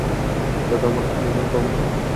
এটা তো আমার বাবা চেয়েছিল।